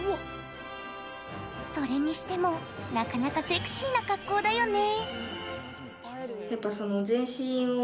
それにしても、なかなかセクシーな格好だよね？